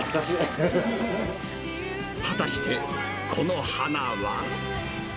果たして、この花は。